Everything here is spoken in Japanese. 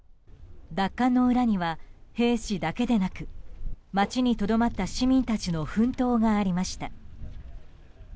奪還の裏には、兵士だけでなく街にとどまった市民たちの奮闘がありました。